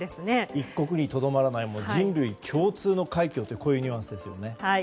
一国にとどまらない人類共通の快挙というこういうニュアンスですよね。